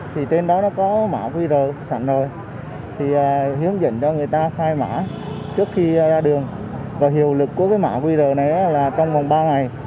trước khi ra đường hiệu lực của mã qr này là trong vòng ba ngày